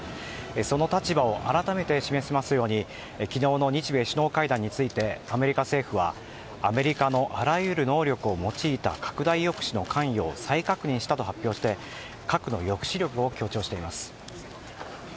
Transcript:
その立場を改めて示すように昨日の日米首脳会談についてアメリカ政府はアメリカのあらゆる能力を用いた拡大抑止の関与を再確認したと発表して核の抑止力を強調しています。